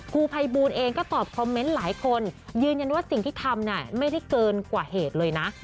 ครูภัยบูลเองก็ตอบคอมเมนต์หลายคนยืนยันว่าสิ่งที่ทำไม่ได้เกินกว่าเหตุเลยนะ